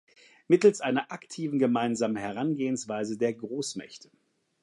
Mittels einer aktiven gemeinsamen Herangehensweise der Großmächte.